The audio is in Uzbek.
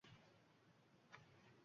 Rahmat bolalarim, ko’p yashanglar.